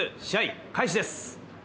試合開始です。